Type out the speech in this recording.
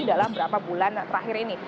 dalam beberapa bulan terakhir ini